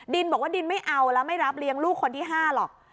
ดินบอกว่าดินไม่เอาแล้วไม่รับเลี้ยงลูกคนที่๕หรอก